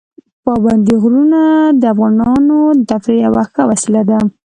پابندي غرونه د افغانانو د تفریح یوه ښه وسیله ده.